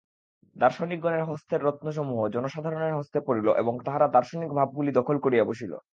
দার্শনিকগণের হস্তের রত্নসমূহ জনসাধারণের হস্তে পড়িল এবং তাহারা দার্শনিক ভাবগুলি দখল করিয়া বসিল।